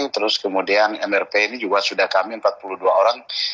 terus kemudian mrp ini juga sudah kami empat puluh dua orang